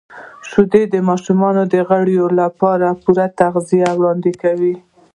•شیدې د ماشومانو د غړو لپاره پوره تغذیه وړاندې کوي.